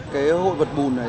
cái hội vật bùn này